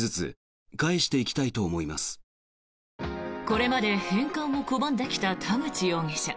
これまで、返還を拒んできた田口容疑者。